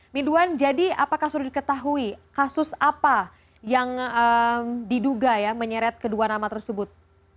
midwan jadi apakah sudah diketahui kasus apa yang diduga ya menyeret kedua nama tersebut